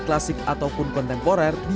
klasik ataupun kontemporer di